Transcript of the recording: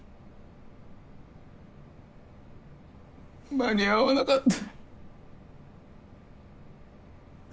間に合わなかった。